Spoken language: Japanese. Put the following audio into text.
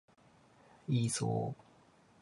イーソー